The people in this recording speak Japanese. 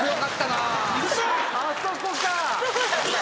あそこか！